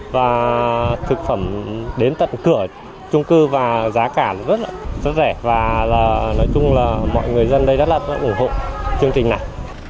và thực phẩm đến tận cửa trung cư và giá cả rất rẻ và nói chung là mọi người dân đây rất là ủng hộ chương trình này